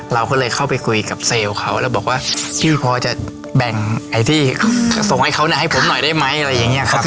เราก็เลยเข้าไปคุยกับเซลล์เขาแล้วบอกว่าพี่พอจะแบ่งไอ้ที่ส่งให้เขาให้ผมหน่อยได้ไหมอะไรอย่างนี้ครับ